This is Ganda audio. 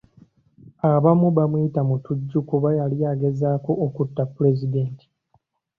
Abamu bamuyita mutujju kuba yali agezaako okutta Pulezidenti.